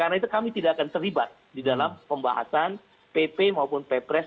karena itu kami tidak akan terlibat di dalam pembahasan pp maupun ppres